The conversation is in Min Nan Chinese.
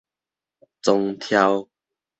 宗祧